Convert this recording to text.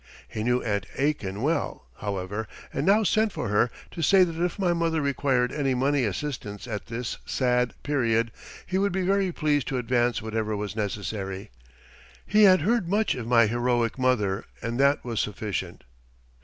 He knew Aunt Aitken well, however, and now sent for her to say that if my mother required any money assistance at this sad period he would be very pleased to advance whatever was necessary. He had heard much of my heroic mother and that was sufficient.